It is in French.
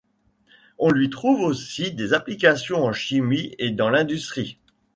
On lui trouve aussi des applications en chimie et dans l'industrie.